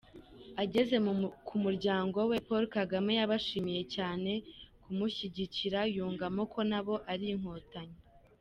Ageze ku muryango we, Paul Kagame yabashimiye cyane kumushyingikira, yungamo ko nabo ari Inkotanyi.